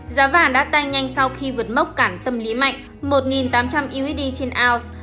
giá vàng đã tăng nhanh sau khi vượt mốc cản tâm lý mạnh một tám trăm linh usd trên ounce